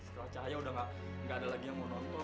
setelah cahaya udah gak ada lagi yang mau nonton